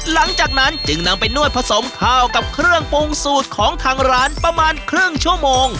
หลังจากนั้นจึงนำไปนวดผสมข้าวกับเครื่องปรุงสูตรของทางร้านประมาณครึ่งชั่วโมง